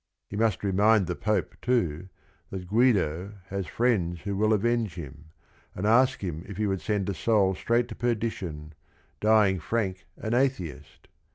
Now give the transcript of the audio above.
He must remind the Pope too that Guido "has friends who will avenge him," and ask him if he would "send a soul straight to perdition, dying frank an Atheist?"